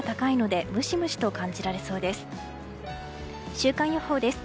週間予報です。